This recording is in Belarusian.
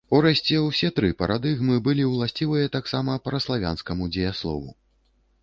Урэшце, усе тры парадыгмы былі ўласцівыя таксама праславянскаму дзеяслову.